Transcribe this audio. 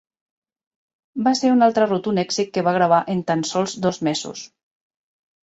Va ser un altre rotund èxit que va gravar en tan sols dos mesos.